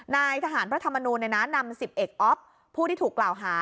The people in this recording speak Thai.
นายทหารพระธรรมนูนเนี่ยนะนำสิบเอกอ๊อฟผู้ที่ถูกกล่าวหา